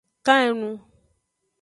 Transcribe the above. Kan enu.